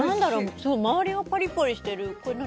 すごい周りがパリポリしてるこれ何？